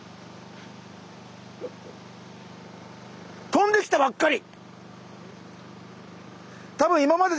飛んできたばっかり。